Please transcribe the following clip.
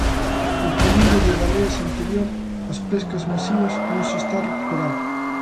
O equilibrio de baleas anterior ás pescas masivas non se está a recuperar.